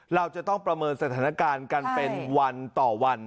เราจะต้องประเมินสถานการณ์กันเป็นวันต่อวัน